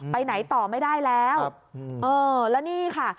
ไปไหนต่อไม่ได้แล้วครับอืมเออแล้วนี่ค่ะ